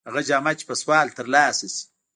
هغه جامه چې په سوال تر لاسه شي.